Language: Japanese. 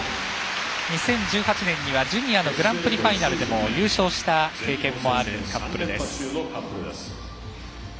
２０１８年にはジュニアのグランプリファイナルでも優勝した経験もあるカップルです。